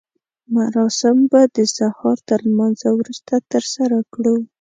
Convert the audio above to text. مراسم به د سهار تر لمانځه وروسته ترسره کړو.